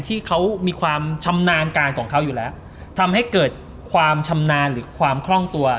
ที่เขามีชำนานกลางของเขาทำให้เกิดความชำนานหรือความคล่องตัว